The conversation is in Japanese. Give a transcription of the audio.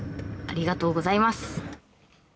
ありがとうございます。